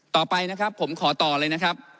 ต่อไปนะครับผมขอต่อเลยนะครับ